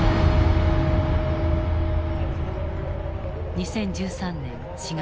２０１３年４月。